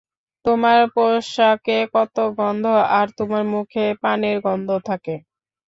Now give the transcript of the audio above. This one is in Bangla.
তোমার পোশাকে কত গন্ধ আর তোমার মুখে পানের গন্ধ থাকে।